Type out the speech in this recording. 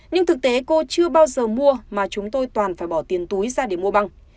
chúng tôi chưa bao giờ mua mà chúng tôi toàn phải bỏ tiền túi ra để mua băng